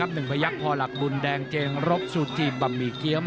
หนึ่งพยักษ์พอหลักบุญแดงเจงรบซูจีบะหมี่เกี้ยม